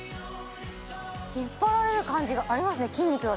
引っ張られる感じがありますね